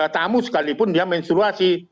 tamu sekalipun dia menstruasi